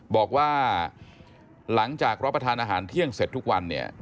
บอกว่าหลังจากรับประทานอาหารเที่ยงเสร็จทุกวันเนี่ย